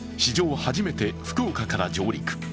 初めて福岡から上陸。